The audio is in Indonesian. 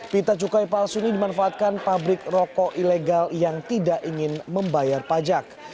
pita cukai palsu ini dimanfaatkan pabrik rokok ilegal yang tidak ingin membayar pajak